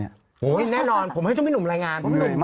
โอ้โฮแน่นอนผมให้พี่หนุ่มรายงาน